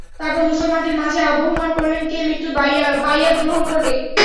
তারপর মুসলমানদের মাঝে আহবান করলেন, কে মৃত্যুর বাইয়াত গ্রহণ করবে?